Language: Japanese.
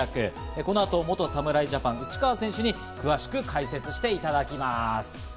この後、元侍ジャパン・内川選手に詳しく解説していただきます。